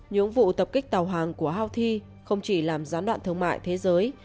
những vụ tập kích tàu hàng của houthi không chỉ làm gián đoạn thương mại thế giới